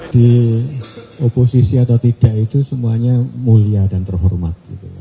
di oposisi atau tidak foolish dan terhormat